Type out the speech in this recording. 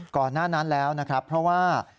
ก่อนหน้านั้นแล้วนะครับเพราะว่า